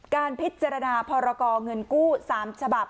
การพิจารณาพรกรเงินกู้๓ฉบับ